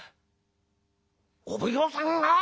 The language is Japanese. お奉行さんが！？